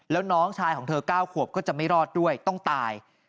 แล้วน้องชายของเธอ๙ขวบก็จะไม่รอดด้วยต้องตาย